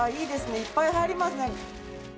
いっぱい入りますね。